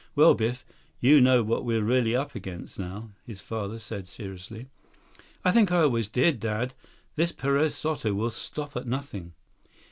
"Well, Biff, you know what we're really up against now," his father said seriously. "I think I always did, Dad. This Perez Soto will stop at nothing."